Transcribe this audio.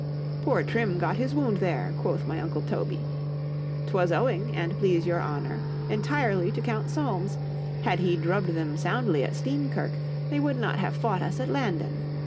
_—Poor Trim got his wound there, quoth my uncle Toby.——'Twas owing, an' please your honour, entirely to count Solmes,——had he drubbed them soundly at Steenkirk, they would not have fought us at _Landen.